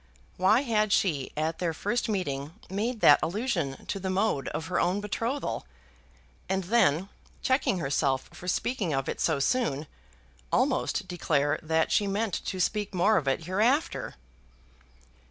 Why had she at their first meeting made that allusion to the mode of her own betrothal, and then, checking herself for speaking of it so soon, almost declare that she meant to speak more of it hereafter?